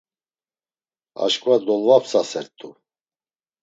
Aşǩva dolvapsasert̆u.